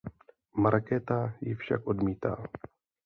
Markéta ji však odmítá.